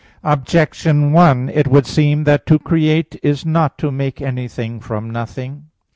Objection 1: It would seem that to create is not to make anything from nothing.